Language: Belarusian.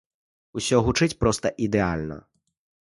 Усё гучыць проста ідэальна!